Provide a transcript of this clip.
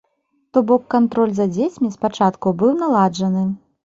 То бок кантроль за дзецьмі спачатку быў наладжаны.